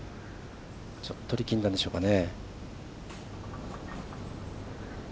ちょっと力んだんでしょうかね。